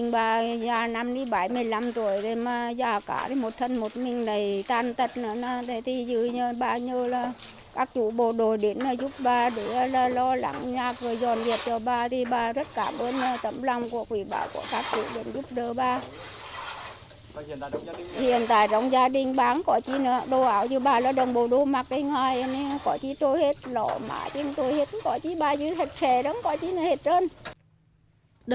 bà rất cảm ơn tâm lòng của quỷ bảo của các chủ đồng giúp đỡ bà hiện tại trong gia đình bán có chi nào đồ áo chứ bà là đồng bộ đồ mặc cái ngoài nên có chi tôi hết lọ má chứ tôi hết có chi bà chứ thật khề đó có chi nó hết trơn